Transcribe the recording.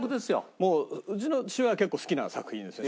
もううちの父親は結構好きな作品ですね